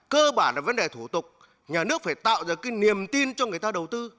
cơ bản là vấn đề thủ tục nhà nước phải tạo ra cái niềm tin cho người ta đầu tư